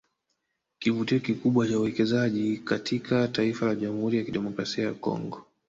Kivutio kikubwa cha uwekezaji katika taifa la Jamhuri ya kidemokrasia ya Congo